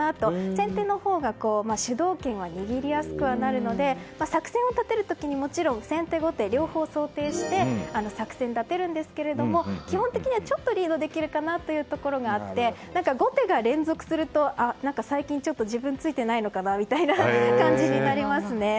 先手のほうが主導権は握りやすくなるので作戦を立てるときに先手と後手、両方想定をして作戦を立てるんですけど基本的にはちょっとリードできるかなというところがあって後手が連続すると最近ちょっと自分、ついていないのかなみたいな感じになりますね。